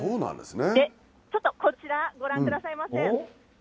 ちょっとこちらご覧くださいませ。